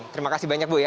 terima kasih banyak bu ya